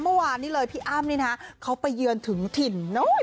เมื่อวานนี้เลยพี่อ้ำนี่นะเขาไปเยือนถึงถิ่น